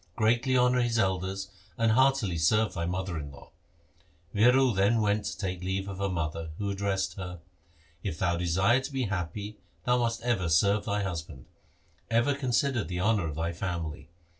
Greatly honour his elders, and heartily serve thy mother in law.' Viro then went to take leave of her mother, who addressed her, ' If thou desire to be happy, thou must ever serve thy husband. Ever consider the honour of thy family.